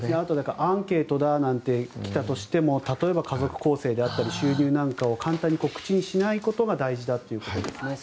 アンケートだと来たとしても例えば家族構成であったり収入なんかを簡単に口にしないことが大事だということです。